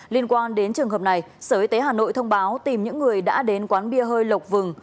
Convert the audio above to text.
liên quan đến trường hợp này sở y tế hà nội thông báo tìm những người đã đến quán bia hơi lộc vừng